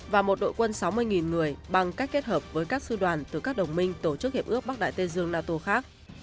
và một đội quân sáu mươi người bằng cách kết hợp với các sư đoàn từ các đồng minh tổ chức hiệp ước bắc đại tây dương nato khác